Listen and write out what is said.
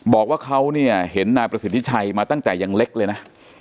บอกว่าเขาเนี่ยเห็นนายประสิทธิชัยมาตั้งแต่ยังเล็กเลยนะ